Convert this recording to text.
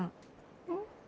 うん？